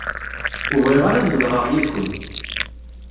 Ur bɣiɣ ara ad zedɣeɣ yid-kent.